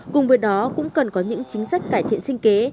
cùng với đó cũng cần có những chính sách cải thiện sinh kế